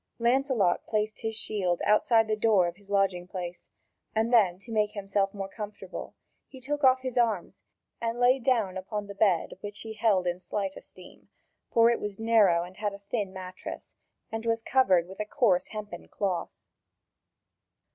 Lancelot placed his shield outside the door of his lodging place, and then, to make himself more comfortable, he took off his arms and lay down upon a bed which he held in slight esteem; for it was narrow and had a thin mattress, and was covered with a coarse hempen cloth.